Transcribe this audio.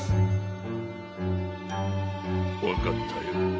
分かったよ。